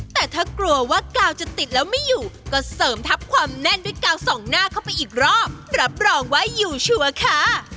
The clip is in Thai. แต่ถ้ากลัวว่ากาวจะติดแล้วไม่อยู่ก็เสริมทัพความแน่นด้วยกาวส่องหน้าเข้าไปอีกรอบรับรองว่าอยู่ชัวร์ค่ะ